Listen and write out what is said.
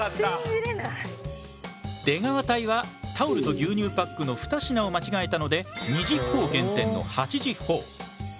出川隊はタオルと牛乳パックの２品を間違えたので２０ほぉ減点の８０ほぉ。